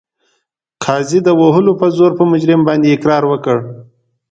قاضي د وهلو په زور په مجرم باندې اقرار وکړ.